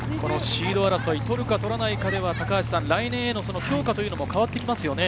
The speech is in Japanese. シード争い、取るか取らないかでは高橋さん、来年への強化も変わってきますよね。